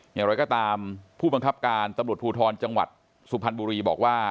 อย่างไรก็ตามผู้บังคับการตำรวจภูทรจังหวัดสุพรรณบุรีบอกว่า